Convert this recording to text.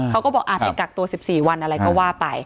เขาก็บอกไปกักตัว๑๔วันอะไรก็ว่าไป